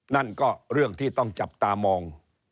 นั่นก็เรื่องที่ต้องจับตามอง